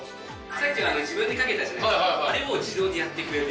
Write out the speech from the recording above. さっきは自分でかけたじゃないですか、あれを自動でやってくれる。